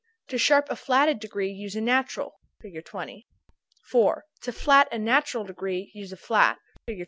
To sharp a flatted degree, use a natural. Fig. 20. 4. To flat a natural degree, use a flat. Fig.